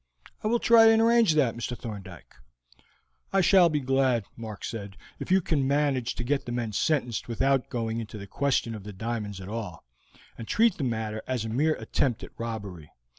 "I will try and arrange that, Mr. Thorndyke." "I shall be glad," Mark said, "if you can manage to get the men sentenced without going into the question of the diamonds at all, and treat the matter as a mere attempt at robbery.